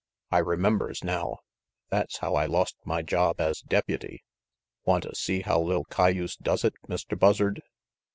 I remembers now. That's how RANGY PETE 99 I lost my job as deputy. Wanta see how li'l cayuse does it, Mr. Buzzard?"